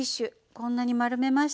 こんなに丸めました。